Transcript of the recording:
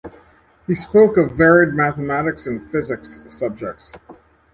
He spoke of varied mathematics and physics subjects.